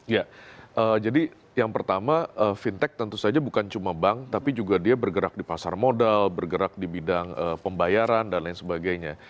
ya jadi yang pertama fintech tentu saja bukan cuma bank tapi juga dia bergerak di pasar modal bergerak di bidang pembayaran dan lain sebagainya